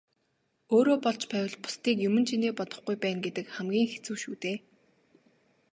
Өөрөө болж байвал бусдыг юман чинээ бодохгүй байна гэдэг хамгийн хэцүү шүү дээ.